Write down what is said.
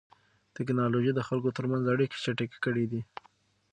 تکنالوژي د خلکو ترمنځ اړیکې چټکې کړې دي.